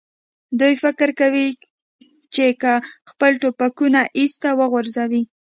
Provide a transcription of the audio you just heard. دوی فکر کوي، چې که خپل ټوپکونه ایسته وغورځوي.